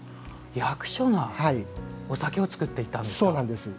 役所がお酒を造っていたんですか？